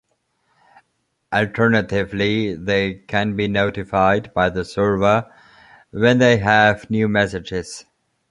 Alternatively, they can be notified by the server when they have new messages.